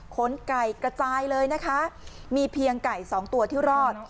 ไก่กระจายเลยนะคะมีเพียงไก่สองตัวที่รอด